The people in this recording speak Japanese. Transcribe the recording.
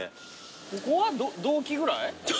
ここは同期ぐらい？